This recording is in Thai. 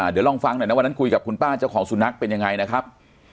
เดี๋ยวลองฟังหน่อยนะวันนั้นคุยกับคุณป้าเจ้าของสุนัขเป็นยังไงนะครับ